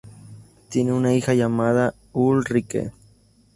Tienen una hija llamada Ulrike.